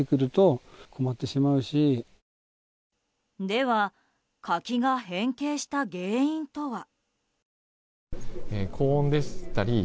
では、柿が変形した原因とは？